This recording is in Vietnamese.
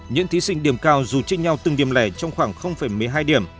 những thí sinh điểm cao dù chênh nhau từng điểm lẻ trong khoảng một mươi hai điểm